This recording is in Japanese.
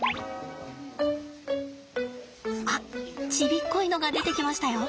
あっちびっこいのが出てきましたよ。